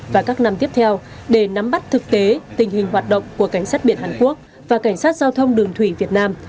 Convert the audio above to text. và các năm tiếp theo để nắm bắt thực tế tình hình hoạt động của cảnh sát biển hàn quốc và cảnh sát giao thông đường thủy việt nam